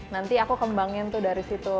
nanti aku kembangin tuh dari situ